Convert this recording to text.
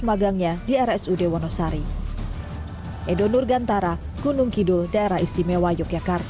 magangnya di rsud wonosari edo nurgantara gunung kidul daerah istimewa yogyakarta